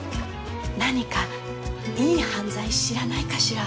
何かいい犯罪知らないかしら？